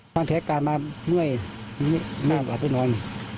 ความแท้การมาเมื่อยนอน